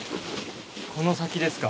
この先ですか。